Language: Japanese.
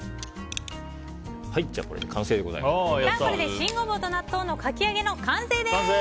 新ゴボウと納豆のかき揚げの完成です。